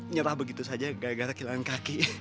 nyerah begitu saja gara gara kehilangan kaki